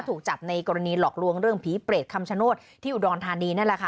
ถูกจับในกรณีหลอกลวงเรื่องผีเปรตคำชโนธที่อุดรธานีนั่นแหละค่ะ